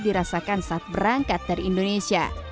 dirasakan saat berangkat dari indonesia